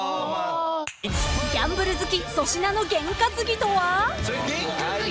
［ギャンブル好き粗品のゲン担ぎとは？］